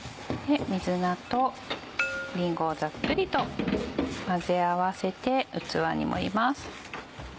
水菜とりんごをざっくりと混ぜ合わせて器に盛ります。